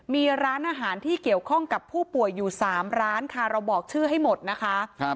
มีร้านอาหารที่เกี่ยวข้องกับผู้ป่วยอยู่๓ร้านค่ะเราบอกชื่อให้หมดนะคะ